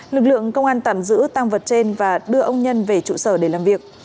lực lượng công an tạm giữ tăng vật trên và đưa ông nhân về trụ sở để làm việc